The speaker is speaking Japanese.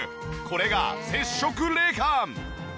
これが接触冷感！